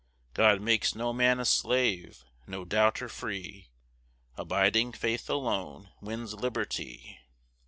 God makes no man a slave, no doubter free; Abiding faith alone wins liberty.